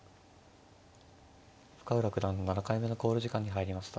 深浦九段７回目の考慮時間に入りました。